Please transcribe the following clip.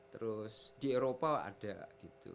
terus di eropa ada gitu